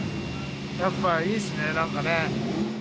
やっぱいいですねなんかね。